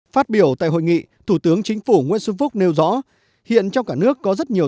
phát biểu tại hội nghị thủ tướng chính phủ nguyễn xuân phúc nêu rõ hiện trong cả nước có rất nhiều